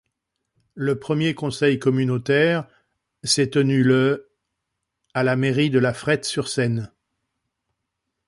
Le premier Conseil Communautaire s’est tenu le à la Mairie de La Frette-sur-Seine.